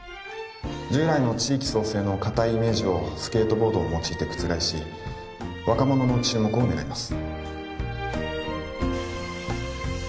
従来の地域創生の固いイメージをスケートボードを用いて覆し若者の注目を狙います